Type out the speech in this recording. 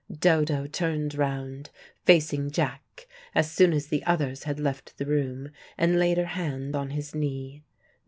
Dodo turned round, facing Jack, as soon as the others had left the room, and laid her hand on his knee.